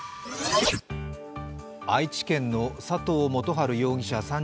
愛知県の佐藤元春容疑者